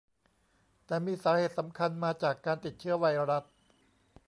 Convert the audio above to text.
แต่มีสาเหตุสำคัญมาจากการติดเชื้อไวรัส